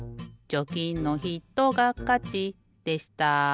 「チョキのひとがかち」でした。